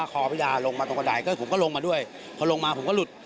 คอพญาลงมาตรงกระดายก็ผมก็ลงมาด้วยพอลงมาผมก็หลุด